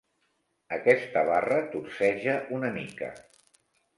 Aquesta barra torceja una mica.